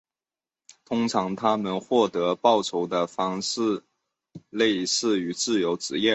通常他们获得报酬的方式类似自由职业人。